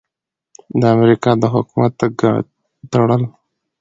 د امریکا د حکومت تړل: